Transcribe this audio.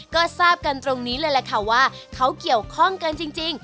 ก็ทราบกันตรงนี้เลยแหละค่ะว่าเขาเกี่ยวข้องกันจริง